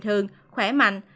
bệnh thường khỏe mạnh